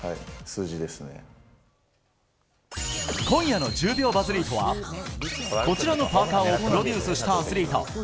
今夜の１０秒バズリートはこちらのパーカをプロデュースしたアスリート。